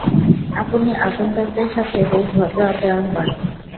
আপনি আগুন্তুকদের সাথে বেশ ভদ্র আচরণ করেন।